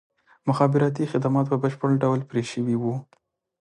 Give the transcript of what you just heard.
مخابراتي خدمات په بشپړ ډول پرې شوي وو.